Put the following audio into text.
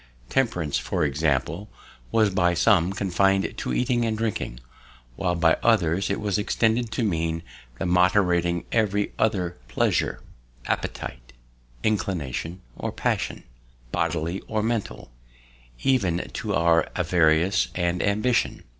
Temperance, for example, was by some confined to eating and drinking, while by others it was extended to mean the moderating every other pleasure, appetite, inclination, or passion, bodily or mental, even to our avarice and ambition.